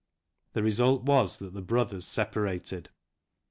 The result was that the brothers separated.